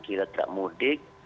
kita tidak mudik